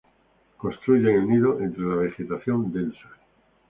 Construyen el nido entre la vegetación densa.